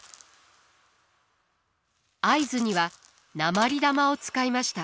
合図には鉛玉を使いました。